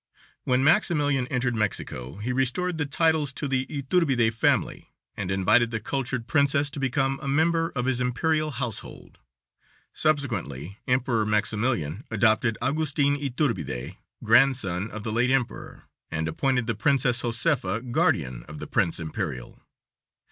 When Maximilian entered Mexico he restored the titles to the Yturbide family, and invited the cultured princess to become a member of his imperial household. Subsequently Emperor Maximilian adopted Augustin Yturbide, grandson of the late emperor, and appointed the Princess Josefa guardian of the "prince imperial."